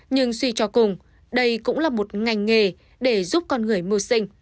nhưng suy cho cùng đây cũng là một nguyên liệu